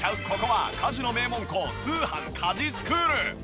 ここは家事の名門校通販☆家事スクール！